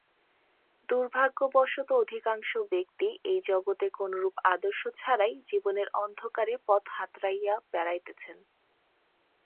দুর্ভাগ্যবশত অধিকাংশ ব্যক্তি এই জগতে কোনরূপ আদর্শ ছাড়াই জীবনের অন্ধকারে পথ হাতড়াইয়া বেড়াইতেছে।